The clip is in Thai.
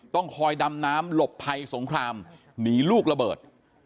ต้องคอยดำน้ำหลบภัยสงครามหนีลูกระเบิด